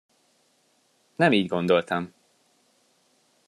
Nem így gondoltam!